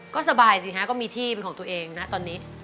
ก็สบายสิฮะก็มีที่เป็นของตัวเองนะตอนนี้